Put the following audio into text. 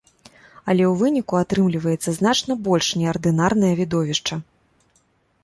Але ў выніку атрымліваецца значна больш неардынарнае відовішча.